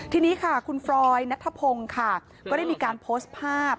ทีนี้ค่ะคุณฟรอยนัทพงศ์ค่ะก็ได้มีการโพสต์ภาพ